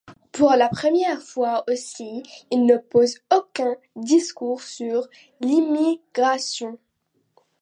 Pour la première fois aussi, il ne pose aucun discours sur l’immigration.